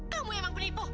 kamu memang menipu